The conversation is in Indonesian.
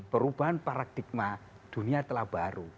perubahan paradigma dunia telah baru